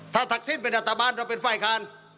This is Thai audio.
ถ้าทักศิลป์เป็นรัฐบาลเราเป็นไฟล์อ่ะ